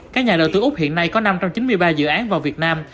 các nhà đầu tư úc hiện nay có năm trăm chín mươi ba dự án vào việt nam